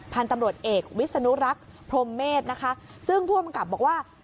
พันธุ์ตำรวจเอกวิศนุรักษ์พรมเมษนะคะซึ่งผู้กำกับบอกว่า